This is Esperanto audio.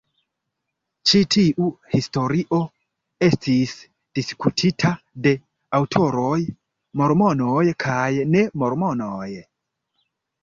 Ĉi tiu historio estis diskutita de aŭtoroj mormonoj kaj ne mormonoj.